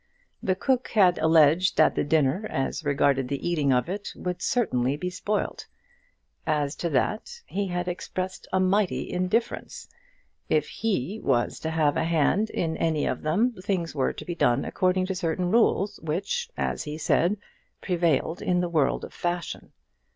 The cook had alleged that the dinner, as regarded the eating of it, would certainly be spoilt. As to that, he had expressed a mighty indifference. If he was to have any hand in them, things were to be done according to certain rules, which, as he said, prevailed in the world of fashion.